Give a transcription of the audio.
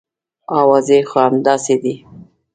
اوازې خو همداسې دي.